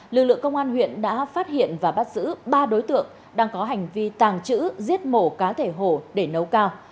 lực lượng công an huyện đã phát hiện và bắt giữ ba đối tượng đang có hành vi tàng trữ giết mổ cá thể hổ để nấu cao